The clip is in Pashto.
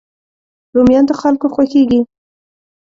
رومیان د خلکو خوښېږي